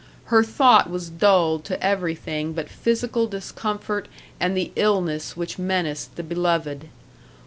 Her thought was dulled to everything but physical discomfort and the illness which menaced the beloved.